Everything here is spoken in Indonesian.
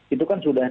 itu kan sudah